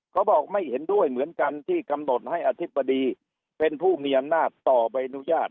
เขาบอกไม่เห็นด้วยเหมือนกันที่กำหนดให้อธิบดีเป็นผู้มีอำนาจต่อใบอนุญาต